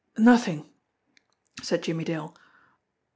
"Nothing," said Jimmie Dale.